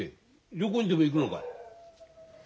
旅行にでも行くのかい？